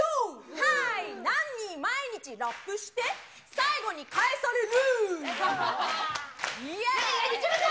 はい、なんで毎日ラップして最後にかえされる。